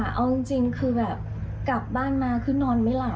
เอาจริงคือแบบกลับบ้านมาคือนอนไม่หลับ